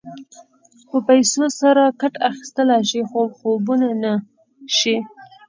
په پیسو سره کټ اخيستلی شې خو خوب نه شې.